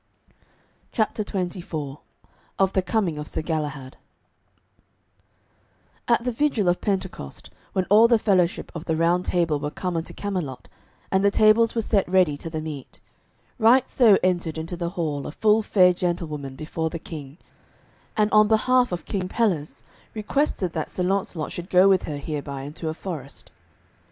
CHAPTER XXIV OF THE COMING OF SIR GALAHAD At the vigil of Pentecost, when all the fellowship of the Round Table were come unto Camelot, and the tables were set ready to the meat, right so entered into the hall a full fair gentlewoman before the King, and on behalf of King Pelles requested that Sir Launcelot should go with her hereby into a forest.